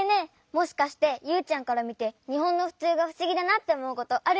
もしかしてユウちゃんからみてにほんのふつうがふしぎだなっておもうことあるんじゃない？